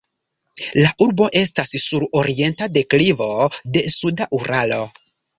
La urbo estas sur orienta deklivo de suda Uralo.